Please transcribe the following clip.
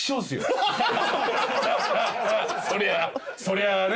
そりゃあ。